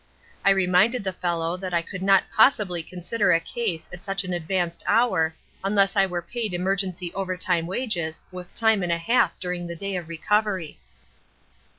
I reminded the fellow that I could not possibly consider a case at such an advanced hour unless I were paid emergency overtime wages with time and a half during the day of recovery."